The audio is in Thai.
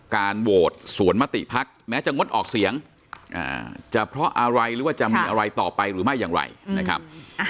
การโหวตสวนมติพักแม้จะงดออกเสียงจะเพราะอะไรหรือว่าจะมีอะไรต่อไปหรือไม่อย่างไรนะครับ